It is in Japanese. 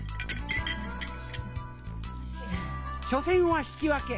初戦は引き分け。